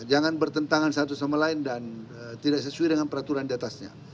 jangan bertentangan satu sama lain dan tidak sesuai dengan peraturan diatasnya